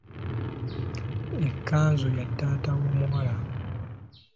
Ekkanzu ya taata w’omuwala.